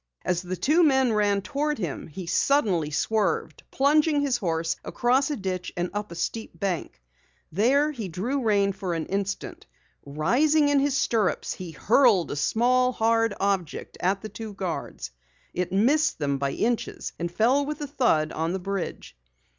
As the two men ran toward him, he suddenly swerved, plunging his horse across a ditch and up a steep bank. There he drew rein for an instant. Rising in his stirrups, he hurled a small, hard object at the two guards. It missed them by inches and fell with a thud on the bridge.